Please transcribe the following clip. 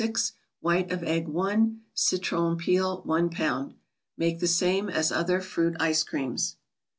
6 ; White of egg. 1; Citron peel. 1 lb.; Make the same as other fruit ice creams.